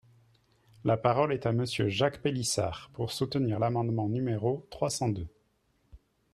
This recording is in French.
La parole est à Monsieur Jacques Pélissard, pour soutenir l’amendement numéro trois cent deux.